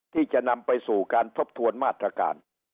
ที่จะนำไปสู่การทบทวนมาตรการ